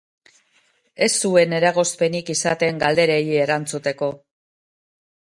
Ez zuen eragozpenik izaten galderei erantzuteko.